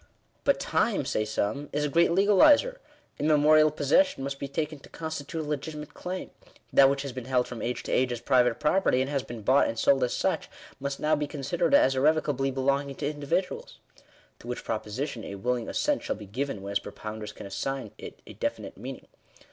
" But Time," say some, " is a great legaliser. Immemorial possession must be taken to constitute a legitimate claim. That which has been held from age to age as private property, and has been bought and sold as such, must now be considered as irrevocably belonging to individuals." To which proposition a willing assent shall be given when its propounders oan assign it a definite meaning.